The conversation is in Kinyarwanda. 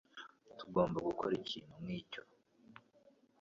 Ntugomba gukora ikintu nkicyo.